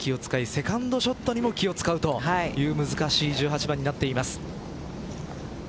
セカンドショットにも気を使うという難しい１８番になっています。